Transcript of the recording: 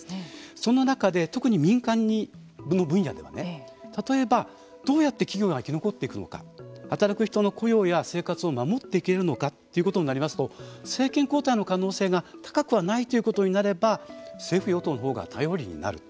その中で特に民間の分野では例えば、どうやって企業が生き残っていくのか働く人の雇用や生活を守っていけるのかということになりますと政権交代の可能性が高くはないということになれば政府与党のほうが頼りになる。